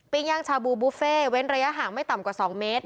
ย่างชาบูบุฟเฟ่เว้นระยะห่างไม่ต่ำกว่า๒เมตร